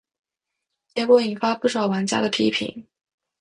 结果引发不少玩家批评。